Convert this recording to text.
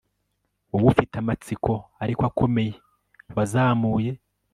Wowe ufite amatsiko ariko akomeye wazamuye